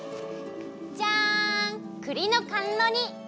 じゃんくりのかんろ煮！